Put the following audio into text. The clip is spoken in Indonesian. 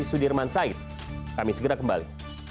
sudirman said kami segera kembali